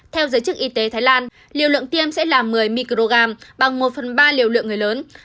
theo giới chức y tế thái lan liều lượng tiêm sẽ là một mươi microgram bằng một phần ba liều lượng người lớn